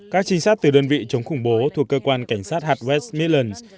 các trinh sát từ đơn vị chống khủng bố thuộc cơ quan cảnh sát hạt west midlands